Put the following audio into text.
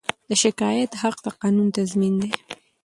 د شکایت حق د قانون تضمین دی.